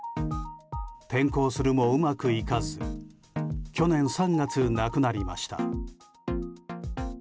転校するもうまくいかず去年３月、亡くなりました。